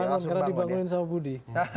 bangun karena dibangunin sama budi